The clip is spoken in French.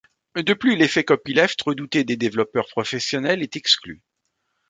De plus, l’effet copyleft redouté des développeurs professionnels est exclu.